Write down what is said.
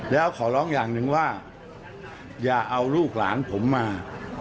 แล้วขอร้องอย่างหนึ่งว่าอย่าเอาลูกหลานผมมา